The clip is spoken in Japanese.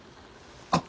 あっ！